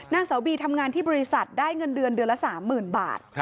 นางสาวบีทำงานที่บริษัทได้เงินเดือนเดือนละ๓๐๐๐บาท